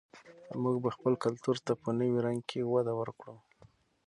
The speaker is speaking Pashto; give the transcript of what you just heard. موږ به خپل کلتور ته په نوي رنګ کې وده ورکړو.